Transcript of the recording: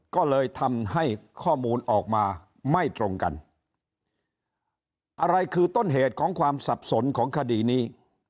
ก็เลยทำให้ข้อมูลออกมาไม่ตรงกันอะไรคือต้นเหตุของความสับสนของคดีนี้